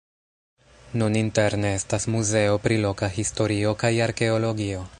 Nun interne estas muzeo pri loka historio kaj arkeologio.